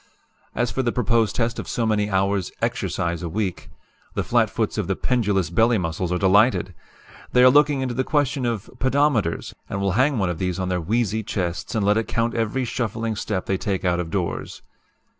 As for the proposed test of so many hours 'exercise' a week, the flat foots of the pendulous belly muscles are delighted. They are looking into the question of pedometers, and will hang one of these on their wheezy chests and let it count every shuffling step they take out of doors.